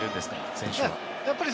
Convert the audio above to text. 選手は。